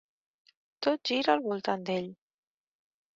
Tot gira al voltant d'ell.